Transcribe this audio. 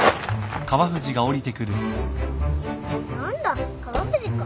何だ川藤か。